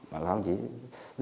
nó chỉ là một bộ lực lượng